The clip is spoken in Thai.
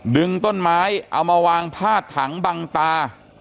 ดึงต้นไม้เอามาวางพาดถังบังตา